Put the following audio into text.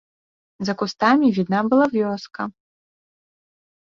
За кустамі відна была вёска.